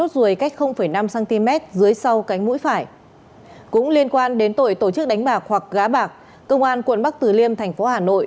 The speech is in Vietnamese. cũng liên quan đến tội tổ chức đánh bạc hoặc gá bạc công an quận bắc tử liêm thành phố hà nội